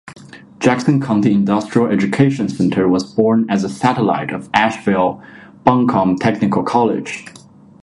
Jackson County Industrial Education Center was born as a satellite of Asheville-Buncombe Technical College.